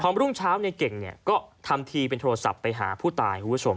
พร้อมรุ่งเช้าในเก่งก็ทำทีเป็นโทรศัพท์ไปหาผู้ตาย